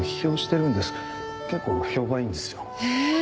結構評判いいんですよ。へえ！